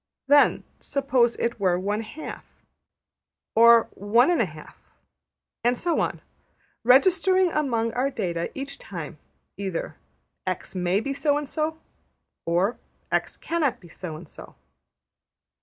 Then, suppose it were one half, or one and a half, and so on, registering among our data, each time, either ``$x$ may be so and so,'' or ``$x$ cannot be so and so.''